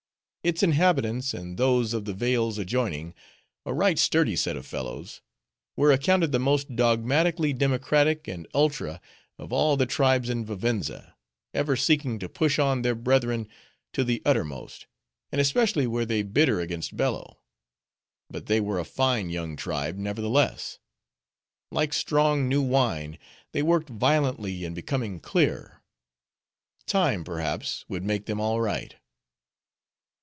Its inhabitants, and those of the vales adjoining,— a right sturdy set of fellows,—were accounted the most dogmatically democratic and ultra of all the tribes in Vivenza; ever seeking to push on their brethren to the uttermost; and especially were they bitter against Bello. But they were a fine young tribe, nevertheless. Like strong new wine they worked violently in becoming clear. Time, perhaps, would make them all right.